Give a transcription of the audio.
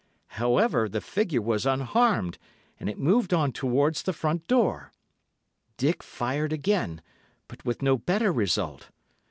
However, the figure was unharmed, and it moved on towards the front door. Dick fired again, but with no better result.